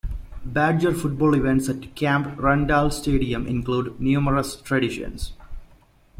Badger football events at Camp Randall Stadium include numerous traditions.